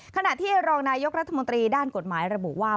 ขณะที่รองนายกรัฐมนตรีด้านกฎหมายระบุว่า